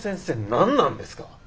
何なんですか？